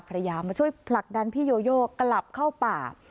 มาช่วยผลักดันพี่โยโยกลับเข้าป่า